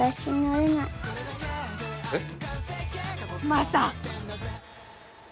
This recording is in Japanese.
マサ